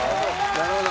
なるほど！